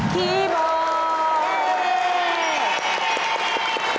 คีย์บอร์ต